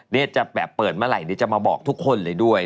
จะแบบเปิดเมื่อไหร่เดี๋ยวจะมาบอกทุกคนเลยด้วย